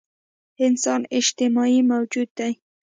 انسان اجتماعي موجود دی.